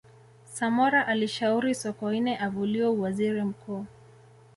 samora alishauri sokoine avuliwe uwaziri mkuu